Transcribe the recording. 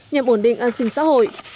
nhằm ổn định an sinh xã hội